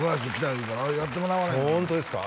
言うからやってもらわなホントですか？